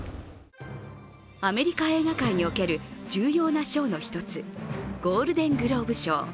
アメリカ映画界における重要な賞の一つ、ゴールデン・グローブ賞。